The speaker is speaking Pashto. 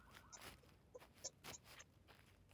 بولې دې په بولدانۍ کښې وکړې.